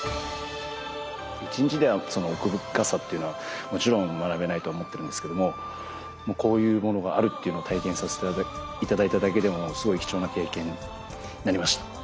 １日ではその奥深さというのはもちろん学べないとは思ってるんですけどもこういうものがあるっていうのを体験させて頂いただけでもすごい貴重な経験になりました。